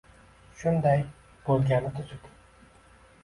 Shunday bo‘lgani tuzuk.